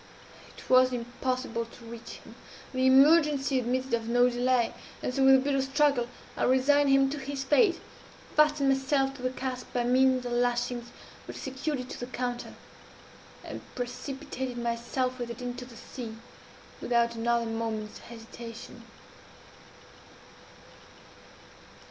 It was impossible to reach him; the emergency admitted of no delay; and so, with a bitter struggle, I resigned him to his fate, fastened myself to the cask by means of the lashings which secured it to the counter, and precipitated myself with it into the sea, without another moment's hesitation.